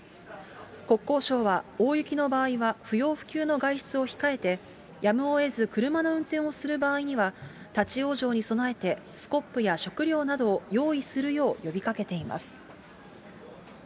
国交省は大雪の場合は不要不急の外出を控えて、やむを得ず車の運転をする場合には、立往生に備えてスコップや食料などを用意するよう呼びかけています。